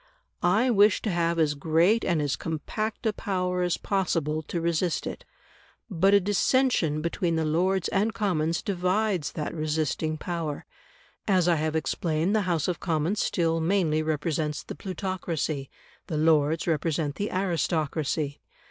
I wish to have as great and as compact a power as possible to resist it. But a dissension between the Lords and Commons divides that resisting power; as I have explained, the House of Commons still mainly represents the plutocracy, the Lords represent the aristocracy.